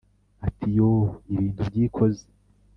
ati "yooo, ibintu byikoze,